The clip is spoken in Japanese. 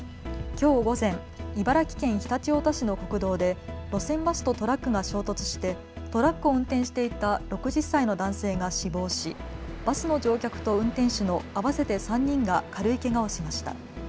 きょう午前、茨城県常陸太田市の国道で路線バスとトラックが衝突してトラックを運転していた６０歳の男性が死亡しバスの乗客と運転手の合わせて３人が軽いけがをしました。